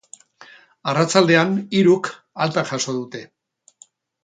Arratsaldean, hiruk alta jaso dute.